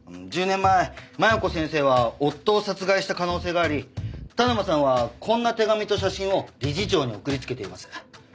１０年前麻弥子先生は夫を殺害した可能性があり田沼さんはこんな手紙と写真を理事長に送りつけています。